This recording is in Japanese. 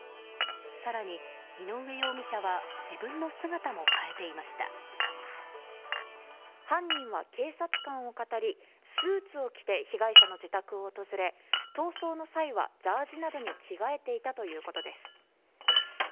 更に井上容疑者は自分の姿も変えていました犯人は警察官をかたりスーツを着て被害者の自宅を訪れ逃走の際はジャージーなどに着替えていたということです。